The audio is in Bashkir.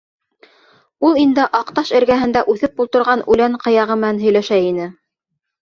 Ул инде аҡ таш эргәһендә үҫеп ултырған үлән ҡыяғы менән һөйләшә ине.